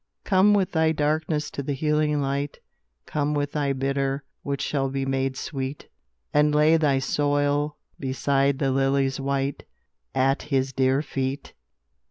Come with thy darkness to the healing light, Come with thy bitter, which shall be made sweet, And lay thy soil beside the lilies white, At His dear feet!